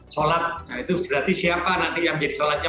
solat itu berarti siapa nanti yang menjadi solatnya